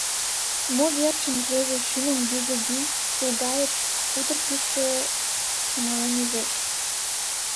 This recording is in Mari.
Мо верчын рвезе шӱмым юзо вий — тулгайык — Утыр кӱшкӧ семален ӱжеш?